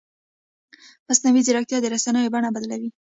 مصنوعي ځیرکتیا د رسنیو بڼه بدلوي.